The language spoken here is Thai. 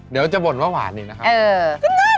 เดี๋ยวจะบ่นว่าหวานอีกนะครับ